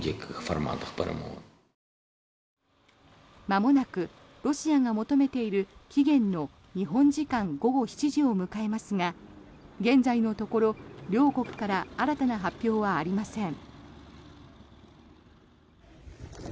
まもなくロシアが求めている期限の日本時間午後７時を迎えますが現在のところ両国から新たな発表はありません。